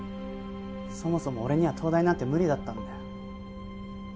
そもそも俺には東大なんて無理だったんだよ